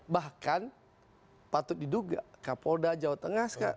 bahkan patut diduga kapolda jawa tengah